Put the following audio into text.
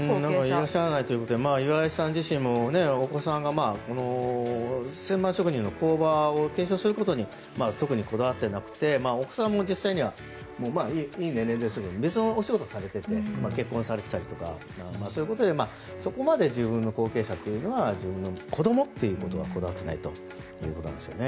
いらっしゃらないということで岩井さん自身もお子さんが旋盤職人の工場を継承することに特にこだわってなくて奥さんも実際にはいい年齢ですが別のお仕事されていて結婚されていたりとかそういうことでそこまで自分の後継者というのは自分の子どもということにはこだわってないということなんですよね。